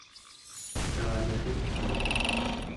cetamiritnguuq